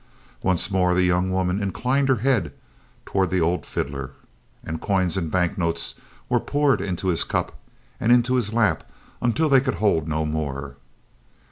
Once more the young woman inclined her head toward the old fiddler, and coins and banknotes were poured into his cup and into his lap until they could hold no more.